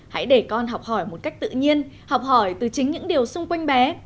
hãy để con học hỏi một cách tự nhiên học hỏi từ chính những điều xung quanh bé